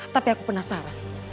tapi aku penasaran